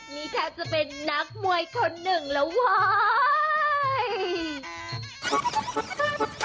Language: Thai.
นี่แทบจะเป็นนักมวยคนหนึ่งแล้วว้าย